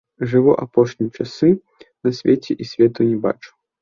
Жыву апошнія часы на свеце і свету не бачу.